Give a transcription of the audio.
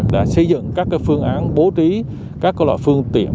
đã xây dựng các phương án bố trí các loại phương tiện